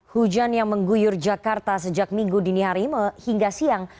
hujan yang mengguyur jakarta sejak minggu dini hari hingga siang